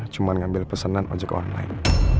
cuman ngambil pesenan ojek online